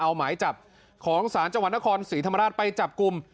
เอาหมายจับของศาลจังหวัดนครศรีธรรมราชไปจับกลุ่ม